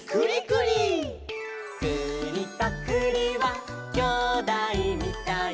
「くりとくりはきょうだいみたい」